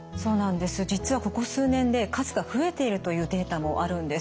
実はここ数年で数が増えているというデータもあるんです。